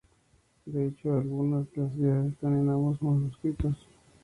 De hecho, algunas de las piezas están en ambos manuscritos.